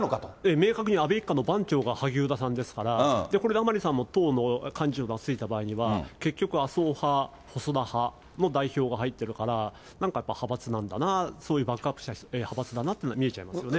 明確に安倍一家の番長が萩生田さんですから、これで甘利さんも党の幹事長の座に着いた場合には、結局、麻生派、細田派の代表が入ってるから、なんかやっぱり派閥なのかな、バックアップした派閥だなと見えちゃいますよね。